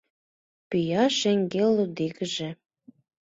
Пӱя шеҥгел лудигыже